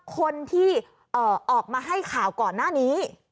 คนที่ออกมาให้ข่าวก่อนหน้านี้